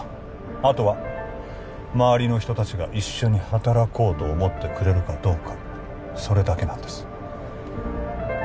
あとは周りの人たちが一緒に働こうと思ってくれるかどうかそれだけなんです